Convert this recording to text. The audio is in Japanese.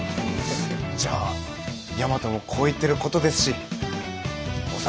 じゃあ大和もこう言ってることですし小佐川さん。